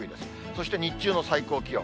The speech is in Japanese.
そして日中の最高気温。